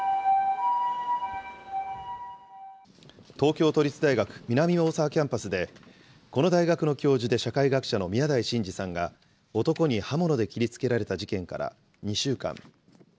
東京都立大学南大沢キャンパスで、この大学の教授で社会学者の宮台真司さんが、男に刃物で切りつけられた事件から２週間。